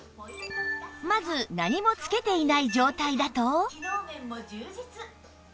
まず何もつけていない状態だと